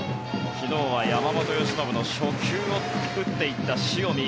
昨日は山本由伸の初球を打っていった塩見。